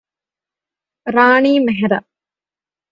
Rani Mehra